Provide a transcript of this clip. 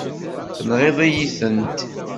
Tenɣiḍ-iyi-tent.